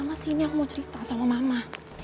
mama sini aku mau cerita sama mama